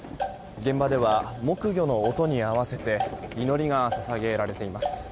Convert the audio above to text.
現場では木魚の音に合わせて祈りが捧げられています。